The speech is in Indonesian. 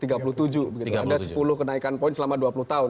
ada sepuluh kenaikan poin selama dua puluh tahun